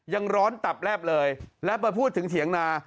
ยังร้อนตับแลบเลยและมาพูดถึงเถียงนา